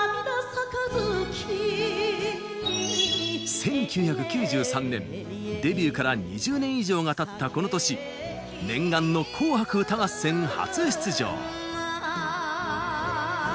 １９９３年デビューから２０年以上がたったこの年念願の「紅白歌合戦」初出場。